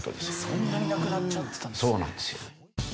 そんなに亡くなっちゃってたんですね。